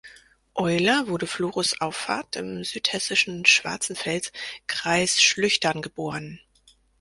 Euler wurde Florus Auffarth im Südhessischen Schwarzenfels, Kreis Schlüchtern geboren.